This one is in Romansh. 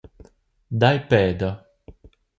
Dai peda!